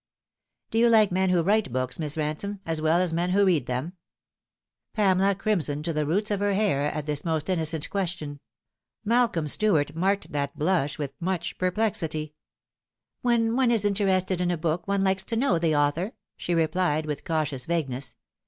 " Do you like men who write books, Miss Ransome, as well as men who read them ?" Pamela crimsoned to the roots of her hair at this most innocent question. Malcolm Stuart marked that blush with much perplexity. 284 The Fatal Three. " When one is interested in a book one likes to know the author," she replied, with cautious vagueness.